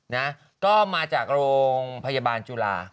นะก็มาจากโรงพยาบาลจุฬา